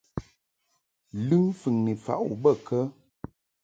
Lɨŋ mfɨŋni faʼ u bə kə ?